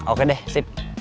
oke deh sip